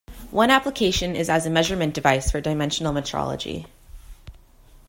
One application is as a measurement device for dimensional metrology.